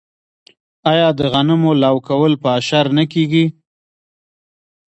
آیا د غنمو لو کول په اشر نه کیږي؟